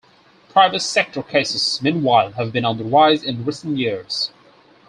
Private sector cases meanwhile have been on the rise in recent years.